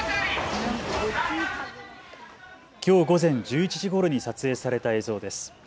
きょう午前１１時ごろに撮影された映像です。